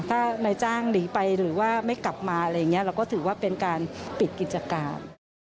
ถ้านายจ้างหนีไปหรือว่าไม่กลับมาอะไรอย่างนี้เราก็ถือว่าเป็นการปิดกิจการ